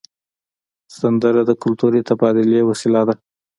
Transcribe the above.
سندره د کلتوري تبادلې وسیله ده